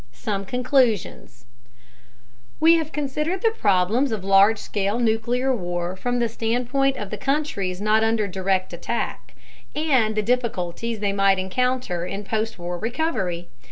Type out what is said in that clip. SOME CONCLUSIONS We have considered the problems of large scale nuclear war from the standpoint of the countries not under direct attack, and the difficulties they might encounter in postwar recovery.